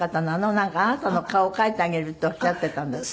なんかあなたの顔を描いてあげるっておっしゃっていたんだって？